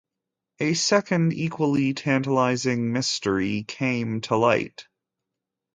A second, equally tantalizing mystery came to light.